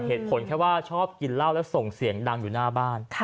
เหตุผลแค่ว่าชอบกินเหล้าแล้วส่งเสียงดังอยู่หน้าบ้าน